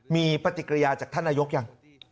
มีปฏิกิริยาจากท่านนายกยัง